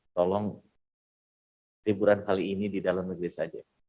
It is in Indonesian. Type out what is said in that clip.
tolong liburan kali ini di dalam negeri saja